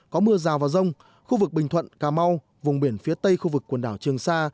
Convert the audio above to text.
có mưa rào và rông khu vực bình thuận cà mau vùng biển phía tây khu vực quần đảo trường sa